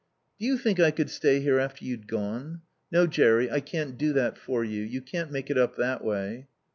"Do you think I could stay here after you'd gone?... No, Jerry, I can't do that for you. You can't make it up that way."